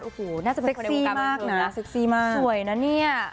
โอ้โหน่าจะเป็นคนในวงการบางทีนะสวยนะเนี่ย